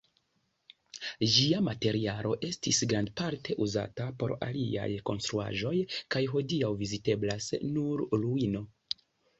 Ĝia materialo estis grandparte uzata por aliaj konstruaĵoj kaj hodiaŭ viziteblas nur ruino.